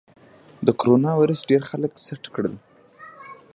د کرونا ویروس ډېر خلک سټ کړل.